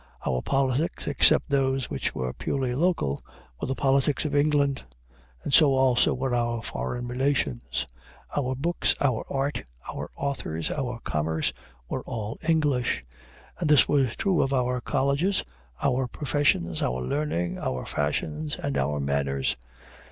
Our politics, except those which were purely local, were the politics of England, and so also were our foreign relations. Our books, our art, our authors, our commerce, were all English; and this was true of our colleges, our professions, our learning, our fashions, and our manners.